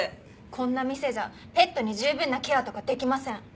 こんな店じゃペットに十分なケアとかできません。